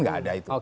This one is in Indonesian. nggak ada itu